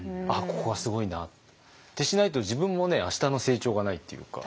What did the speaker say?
「ここはすごいな」ってしないと自分もねあしたの成長がないっていうか。